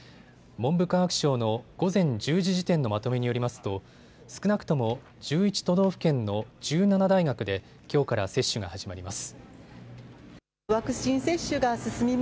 文部科学省の午前１０時時点のまとめによりますと少なくとも１１都道府県の１７大学できょうから接種が始まります。